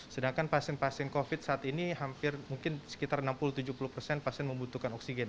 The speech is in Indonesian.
sedangkan pasien pasien covid saat ini hampir mungkin sekitar enam puluh tujuh puluh persen pasien membutuhkan oksigen